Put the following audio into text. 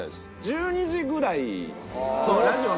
１２時ぐらい。